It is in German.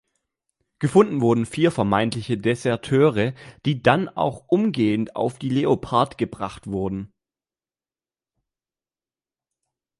Gefunden wurden vier vermeintliche Deserteure, die dann auch umgehend auf die "Leopard" gebracht wurden.